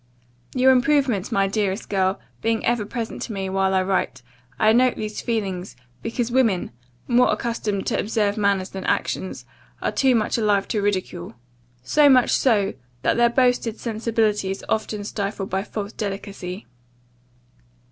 Your improvement, my dearest girl, being ever present to me while I write, I note these feelings, because women, more accustomed to observe manners than actions, are too much alive to ridicule. So much so, that their boasted sensibility is often stifled by false delicacy.